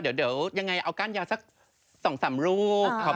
อยากได้ก้านยาวก้านยาวสักสองสามลูก